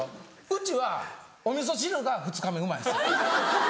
うちはお味噌汁が２日目うまいんですよ。